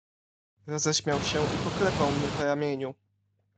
"Roześmiał się i poklepał mnie po ramieniu."